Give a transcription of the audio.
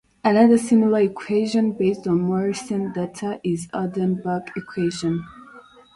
Another similar equation based on more recent data is the Arden Buck equation.